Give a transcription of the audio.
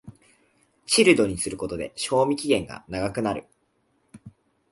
チルドにすることで賞味期限が長くなる